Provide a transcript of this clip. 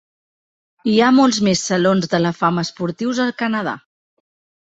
Hi ha molts més salons de la fama esportius al Canadà.